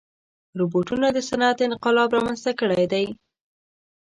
روبوټونه د صنعت انقلاب رامنځته کړی دی.